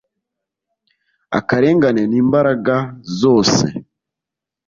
akarengane n'imbaraga zose